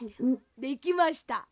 できました。ね！